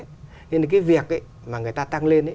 thế nên cái việc mà người ta tăng lên